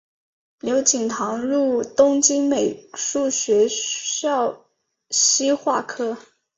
刘锦堂入东京美术学校西画科